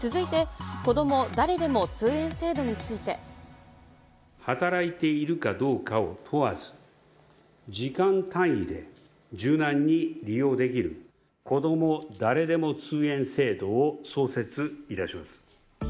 続いて、働いているかどうかを問わず、時間単位で柔軟に利用できる、こども誰でも通園制度を創設いたします。